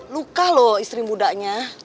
luka loh istri mudanya